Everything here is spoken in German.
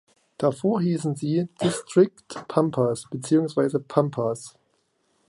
Davor hießen sie "Distrikt Pampas" beziehungsweise "Pampas".